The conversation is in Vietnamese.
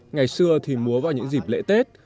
ngày xưa thì múa vào những dịp lễ tết